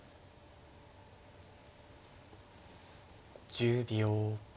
１０秒。